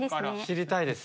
知りたいです。